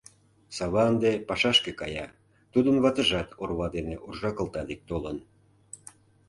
Сава ынде пашашке кая, тудын ватыжат орва дене уржа кылта дек толын.